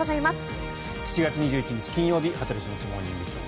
７月２１日、金曜日「羽鳥慎一モーニングショー」。